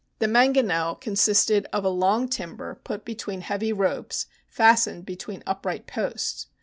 The mangonel consisted of a long timber put between heavy ropes fastened between upright posts.